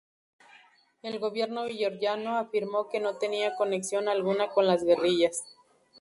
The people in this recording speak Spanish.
El gobierno georgiano afirmó que no tenía conexión alguna con las guerrillas.